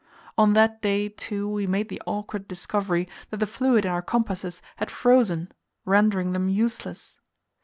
On that day, too, we made the awkward discovery that the fluid in our compasses had frozen, rendering them useless.